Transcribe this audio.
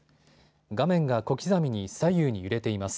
画面が小刻みに左右に揺れています。